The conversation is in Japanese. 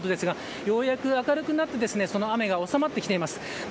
ようやく明るくなってその雨が収まってきています。